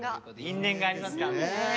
因縁がありますからね。